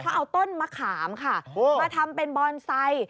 เขาเอาต้นมะขามค่ะมาทำเป็นบอนไซค์